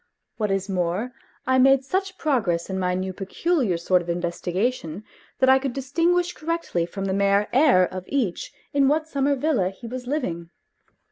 What is more, I made such progress in my new peculiar sort of investigation that I could distinguish correctly from the mere air of each in what summer villa he was living.